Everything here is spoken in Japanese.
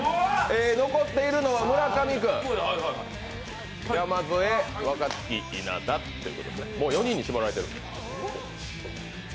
残っているのは村上君、山添、若槻、稲田ってことで、もう４人に絞られてる。